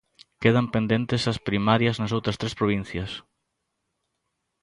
Quedan pendentes as primarias nas outras tres provincias.